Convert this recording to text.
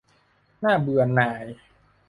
น่าเบื่อหน่าย